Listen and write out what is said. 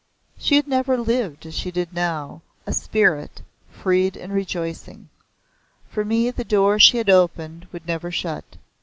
She had never lived as she did now a spirit, freed and rejoicing. For me the door she had opened would never shut.